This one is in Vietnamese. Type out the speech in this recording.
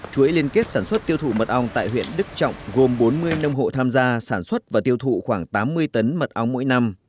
chuỗi liên kết sản xuất tiêu thụ mật ong tại huyện đức trọng gồm bốn mươi nông hộ tham gia sản xuất và tiêu thụ khoảng tám mươi tấn mật ong mỗi năm